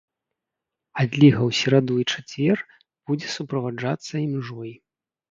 Адліга ў сераду і чацвер будзе суправаджацца імжой.